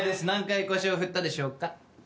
何回腰を振ったでしょうか？